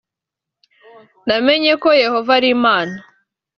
namenye ko yehova ari imana